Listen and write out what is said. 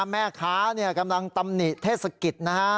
แม่ค้ากำลังตำหนิเทศกิจนะฮะ